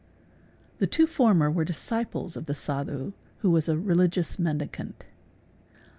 The two former were disciples of the Sadh who was a réligious mendicant.